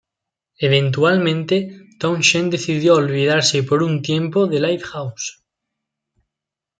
Eventualmente, Townshend decidió olvidarse por un tiempo de "Lifehouse".